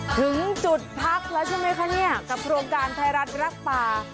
ถึงจุดพักแล้วใช่ไหมคะเนี่ยกับโครงการไทยรัฐรักป่า